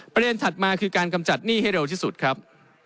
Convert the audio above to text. ถัดมาคือการกำจัดหนี้ให้เร็วที่สุดครับ